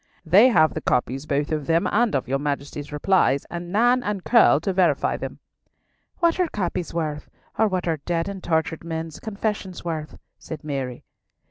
"They have the copies both of them and of your Majesty's replies, and Nan and Curll to verify them." "What are copies worth, or what are dead and tortured men's confessions worth?" said Mary.